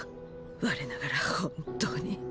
我ながら本当に！